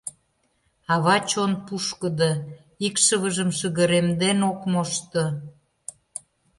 Ава чон пушкыдо, икшывыжым шыгыремден ок мошто.